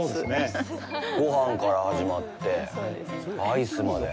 ごはんから始まって、アイスまで。